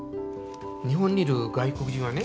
日本にいる外国人はね